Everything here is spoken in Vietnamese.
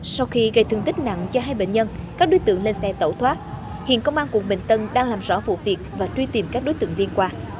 sau khi gây thương tích nặng cho hai bệnh nhân các đối tượng lên xe tẩu thoát hiện công an quận bình tân đang làm rõ vụ việc và truy tìm các đối tượng liên quan